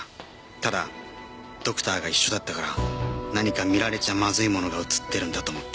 ただドクターが一緒だったから何か見られちゃまずいものが映ってるんだと思った。